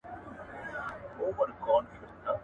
که ماسوم ته پام وسي نو استعداد یې وده کوي.